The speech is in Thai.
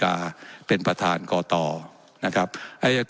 และยังเป็นประธานกรรมการอีก